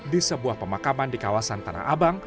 di sebuah pemakaman di kawasan tanah abang